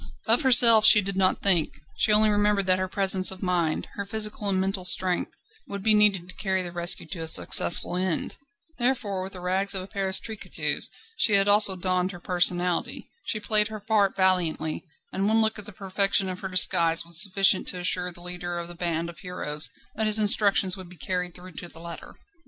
Of herself she did not think; she only remembered that her presence of mind, her physical and mental strength, would be needed to carry the rescue to a successful end. Therefore with the rags of a Paris tricotteuse she had also donned her personality. She played her part valiantly, and one look at the perfection of her disguise was sufficient to assure the leader of this band of heroes that his instructions would be carried through to the letter.